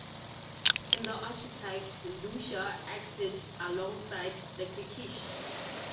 In "The Architect," Lusha acted alongside Stacy Keach.